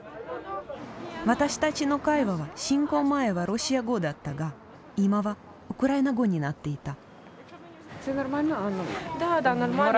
私たちの会話は侵攻前はロシア語だったが今はウクライナ語になっていた。